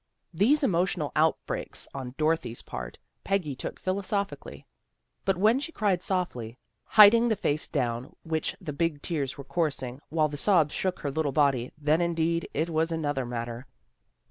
These emotional outbreaks on Dorothy's part Peggy took philosophically. But when she cried softly, hiding the face down which the big tears were coursing, while the sobs shook her little body, then indeed, it was another matter.